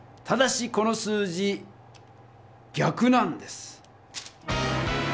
ただしこの数字ぎゃくなんです。